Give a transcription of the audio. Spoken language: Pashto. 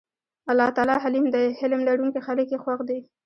الله تعالی حليم دی حِلم لرونکي خلک ئي خوښ دي